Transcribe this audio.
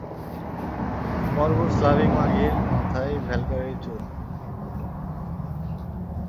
বর্বর স্লাভিক মাগীর মাথায় ভ্যালকারির চুল।